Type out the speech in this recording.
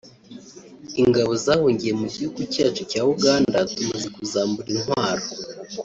” Ingabo zahungiye mu gihugu cyacu cya Uganda tumaze kuzambura intwaro